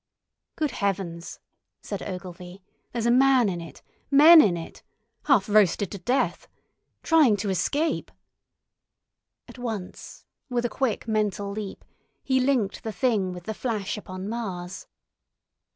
"Good heavens!" said Ogilvy. "There's a man in it—men in it! Half roasted to death! Trying to escape!" At once, with a quick mental leap, he linked the Thing with the flash upon Mars.